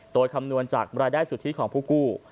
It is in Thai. โดยคำนวณจากรายได้สุทธิของผู้กู้